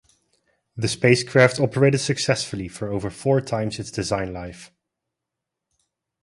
The spacecraft operated successfully for over four times its design life.